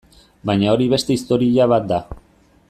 Baina hori beste historia bat da.